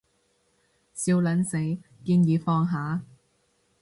笑撚死，建議放下